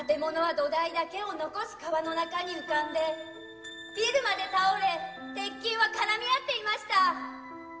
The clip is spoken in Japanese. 土台だけを残し川の中に浮かんで、ビルまで倒れ、鉄筋はからみ合っていました。